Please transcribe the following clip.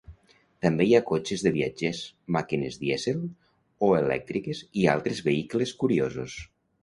També hi ha cotxes de viatgers, màquines dièsel o elèctriques i altres vehicles curiosos.